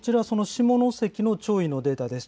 下関の潮位のデータです。